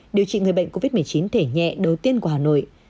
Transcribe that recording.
điều trị người bệnh covid một mươi chín thể nhẹ đầu tiên của hà nội